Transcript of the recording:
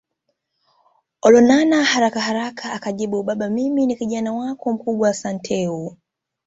Olonana harakaharaka akajibu Baba mimi ni Kijana wako mkubwa Santeu